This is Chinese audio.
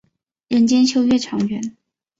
人间秋月长圆。